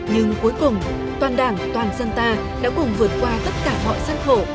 nhưng cuối cùng toàn đảng toàn dân ta đã cùng vượt qua tất cả mọi gian khổ